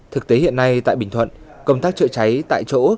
thực tế hiện nay tại bình thuận công tác chữa cháy tại chỗ